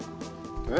えっ？